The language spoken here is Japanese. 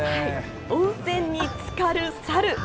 温泉につかるサル。